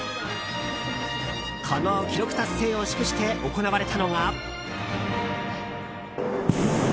この記録達成を祝して行われたのが。